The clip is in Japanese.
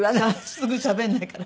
すぐしゃべんないから。